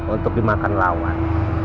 untuk dimakan lawan